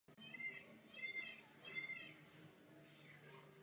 Lang se oženil čtyřikrát a měl patnáct synů a dcer.